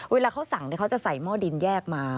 เวลาเขาสั่งเขาจะใส่หม้อดินแยกมา